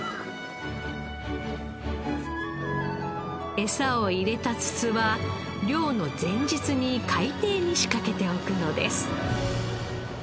エサを入れた筒は漁の前日に海底に仕掛けておくのです。